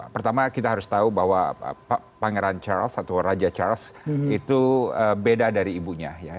pertama kita harus tahu bahwa pangeran charles atau raja charles itu beda dari ibunya